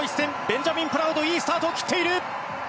ベンジャミン・プラウドいいスタートを切っている。